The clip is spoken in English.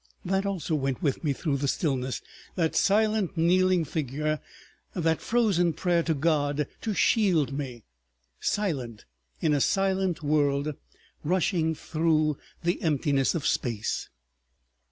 ... That also went with me through the stillness—that silent kneeling figure, that frozen prayer to God to shield me, silent in a silent world, rushing through the emptiness of space.